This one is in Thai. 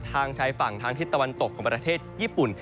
ทางชายฝั่งทางทิศตะวันตกของประเทศญี่ปุ่น